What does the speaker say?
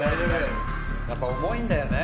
やっぱ重いんだよね。